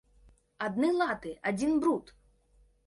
Адны латы, адзін бруд!